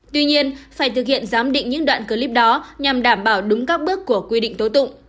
tuy nhiên phải thực hiện giám định những đoạn clip đó nhằm đảm bảo đúng các bước của quy định tố tụng